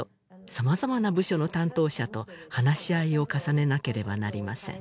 さまざまな部署の担当者と話し合いを重ねなければなりません